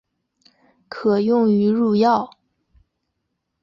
可用于入药。